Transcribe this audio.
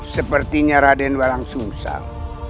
sepertinya raden warang sungsal